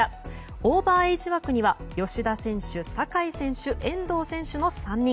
オーバーエイジ枠には吉田選手、酒井選手遠藤選手の３人。